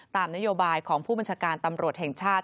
ตามนโยบายของผู้บัญชาการตำรวจแห่งชาติ